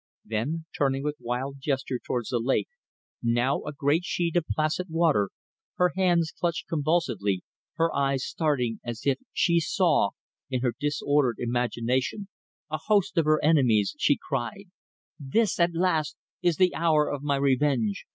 Then, turning with wild gesture towards the lake, now a great sheet of placid water, her hands clutched convulsively, her eyes starting as if she saw, in her disordered imagination, a host of her enemies, she cried: "This, at last, is the hour of my revenge!